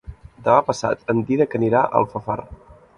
Demà passat en Dídac anirà a Alfafar.